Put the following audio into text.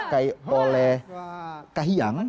tidak hanya yang dipakai oleh kahiyang